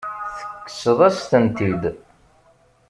Tekkseḍ-as-tent-id.